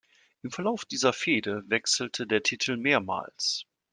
Im Verlauf dieser Fehde wechselte der Titel mehrmals.